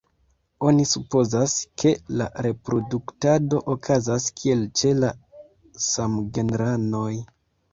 Oni supozas, ke la reproduktado okazas kiel ĉe la samgenranoj.